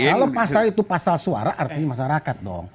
kalau pasal itu pasal suara artinya masyarakat dong